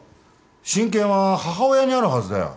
親権は母親にあるはずだよ。